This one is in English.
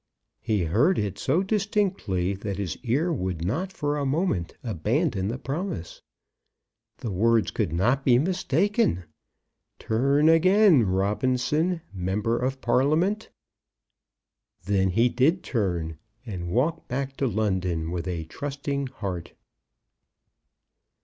He heard it so distinctly that his ear would not for a moment abandon the promise. The words could not be mistaken. "Turn again, Robinson, Member of Parliament." Then he did turn, and walked back to London with a trusting heart.